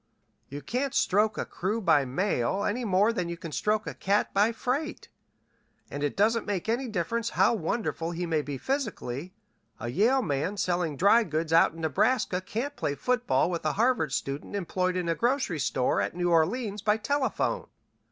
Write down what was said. You can't stroke a crew by mail any more than you can stroke a cat by freight, and it doesn't make any difference how wonderful he may be physically, a Yale man selling dry goods out in Nebraska can't play football with a Harvard student employed in a grocery store at New Orleans by telephone.